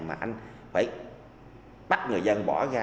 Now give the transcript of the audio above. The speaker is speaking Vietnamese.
mà anh phải bắt người dân bỏ ra